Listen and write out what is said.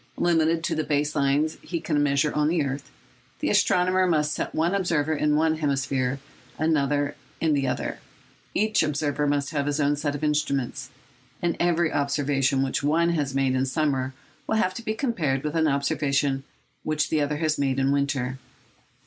Limited to the base lines he can measure on earth, the astronomer must set one observer in one hemisphere, another in the other. Each observer must have his own set of instruments; and every observation which one has made in summer will have to be compared with an observation which the other has made in winter.